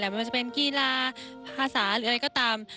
ไม่ว่าจะเป็นกีฬาภาษาหรืออะไรก็ตาม